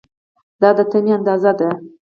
دا د دې تمې اندازه ده.